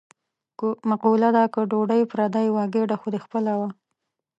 مقوله ده: که ډوډۍ پردۍ وه ګېډه خو دې خپله وه.